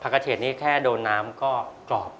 กระเทดนี้แค่โดนน้ำก็กรอบ